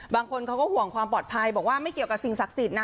บางคนเขาก็ห่วงความปลอดภัยบอกว่าไม่เกี่ยวกับสิ่งศักดิ์สิทธิ์นะ